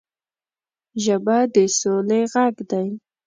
ژبه د سولې غږ دی